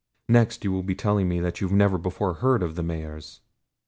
Next you will be telling me that you never before heard of the Mahars!"